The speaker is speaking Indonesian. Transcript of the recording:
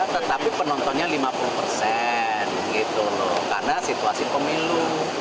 tetapi penontonnya lima puluh persen karena situasi pemilu